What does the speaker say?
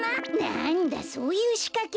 なんだそういうしかけか。